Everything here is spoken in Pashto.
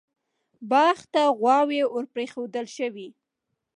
باغ ته غواوې ور پرېښودل شوې.